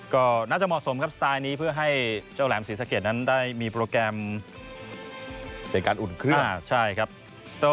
ก็น่าจะเหมาะสมครับสไตล์นี้เพื่อให้เจ้าแหลมศรีสะเกดนั้นได้มีโปรแกรมเป็นการอุ่นเครื่องใช่ครับ